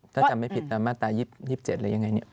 ถ้าจำไม่ผิดตามมาตรา๒๗หรือยังไงเนี่ย